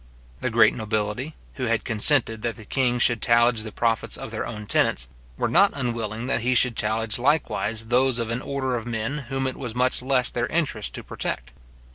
The great nobility, who had consented that the king should tallage the profits of their own tenants, were not unwilling that he should tallage likewise those of an order of men whom it was much less their interest to protect.